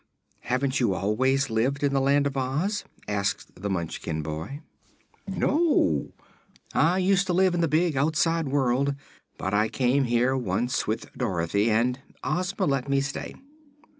"Haven't you always lived in the Land of Oz?" asked the Munchkin boy. "No; I used to live in the big, outside world. But I came here once with Dorothy, and Ozma let me stay."